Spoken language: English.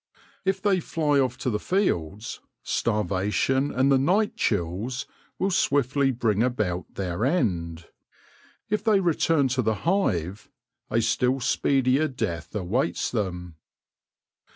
If they fly off to the fields, starvation and the night chills will swiftly bring about their end. If they return to the hive, a still speedier death awaits them.